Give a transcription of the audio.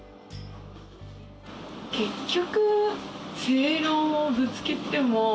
結局。